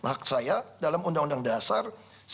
hak saya dalam undang undang dasar seribu empat puluh lima